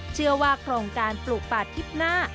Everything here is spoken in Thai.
เชื่อว่าโครงการปลูกป่าทิพย์หน้า